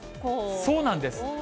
そうなんです。